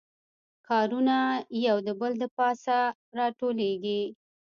کارونه یو د بل پاسه راټولیږي